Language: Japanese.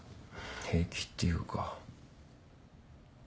平気っていうか。